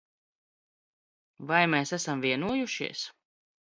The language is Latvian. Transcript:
Vai mēs esam vienojušies?